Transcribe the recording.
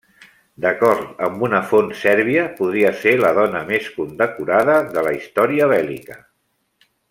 D'acord amb una font sèrbia, podria ser la dona més condecorada de la història bèl·lica.